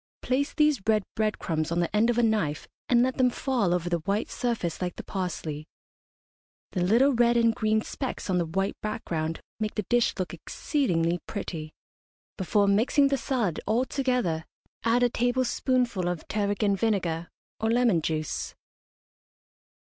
Place these red bread crumbs on the end of a knife and let them fall over the white surface like the parsley. The little red and green specks on the white background make the dish look exceedingly pretty. Before mixing the salad all together add a tablespoonful of tarragon vinegar or lemon juice.